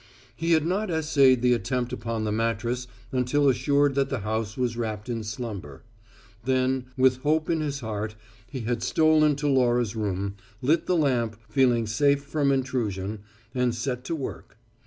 He had not essayed the attempt upon the mattress until assured that the house was wrapped in slumber. Then, with hope in his heart, he had stolen to Laura's room, lit the lamp, feeling safe from intrusion, and set to work.